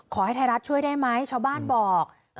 ขอให้ไทยรัฐช่วยได้ไหมชาวบ้านบอก